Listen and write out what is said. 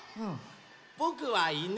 ぼくはいぬ。